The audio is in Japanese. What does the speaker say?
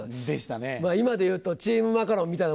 今でいうとチームマカロンみたいなもんですか。